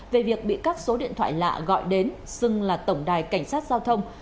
về việc bị các số điện thoại lạ gọi đến xưng là tổng đài cảnh sát giao thông